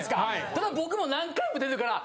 ただ僕も何回も出てるから。